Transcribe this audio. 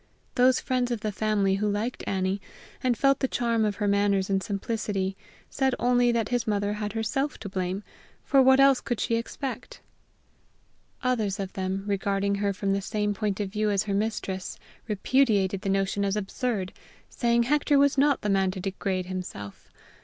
Those friends of the family who liked Annie, and felt the charm of her manners and simplicity, said only that his mother had herself to blame, for what else could she expect? Others of them, regarding her from the same point of view as her mistress, repudiated the notion as absurd, saying Hector was not the man to degrade himself!